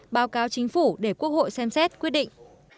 báo cáo chính phủ để quốc hội xem xét quyết định